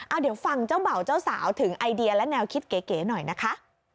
เอาเดี๋ยวฟังเจ้าเบ่าเจ้าสาวถึงไอเดียและแนวคิดเก๋หน่อยนะคะ